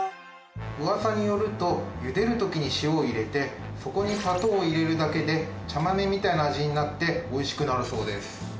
ウワサによると茹でる時に塩を入れてそこに砂糖を入れるだけで茶豆みたいな味になって美味しくなるそうです。